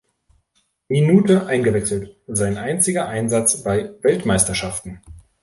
Minute eingewechselt: sein einziger Einsatz bei Weltmeisterschaften.